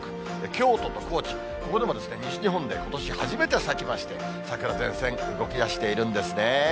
京都と高知、ここでも西日本でことし初めて咲きまして、桜前線、動きだしているんですね。